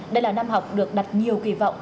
đây là năm học được đặt nhiều kỳ vọng